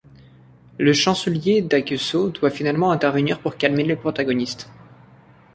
Le chancelier d'Aguesseau doit finalement intervenir pour calmer les protagonistes.